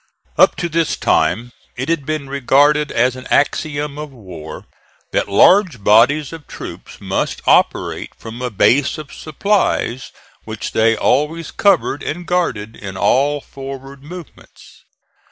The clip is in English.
Up to this time it had been regarded as an axiom in war that large bodies of troops must operate from a base of supplies which they always covered and guarded in all forward movements.